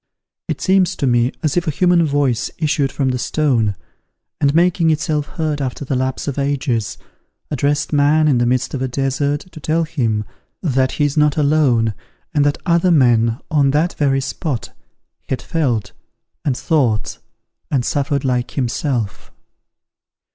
It seems to me as if a human voice issued from the stone, and, making itself heard after the lapse of ages, addressed man in the midst of a desert, to tell him that he is not alone, and that other men, on that very spot, had felt, and thought, and suffered like himself.